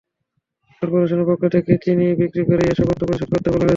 করপোরেশনের পক্ষ থেকে চিনি বিক্রি করেই এসব অর্থ পরিশোধ করতে বলা হয়েছে।